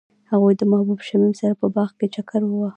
هغوی د محبوب شمیم سره په باغ کې چکر وواهه.